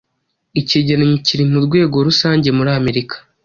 icyegeranyo kiri murwego rusange muri Amerika